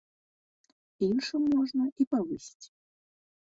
Іншым можна і павысіць.